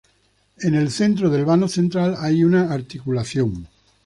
En el centro del vano central, hay una articulación.